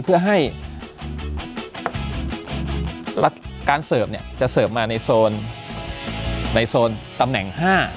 เพื่อให้การเสิร์ฟเนี่ยจะเสิร์ฟมาในโซนในโซนตำแหน่ง๕